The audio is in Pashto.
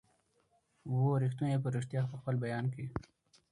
وو ریښتونی په ریشتیا په خپل بیان کي